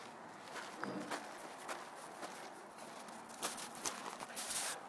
viazi lishe vikichakatwa hurahisisha usafirishaji